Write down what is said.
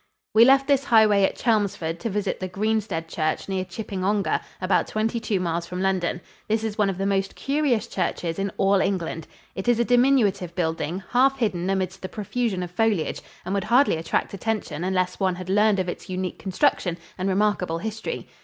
We left this highway at Chelmsford to visit the Greenstead Church near Chipping Ongar, about twenty two miles from London. This is one of the most curious churches in all England. It is a diminutive building, half hidden amidst the profusion of foliage, and would hardly attract attention unless one had learned of its unique construction and remarkable history.